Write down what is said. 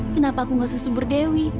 kenapa aku nggak sesubur dewi